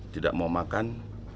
tidak mau makan